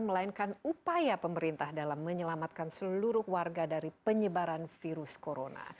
melainkan upaya pemerintah dalam menyelamatkan seluruh warga dari penyebaran virus corona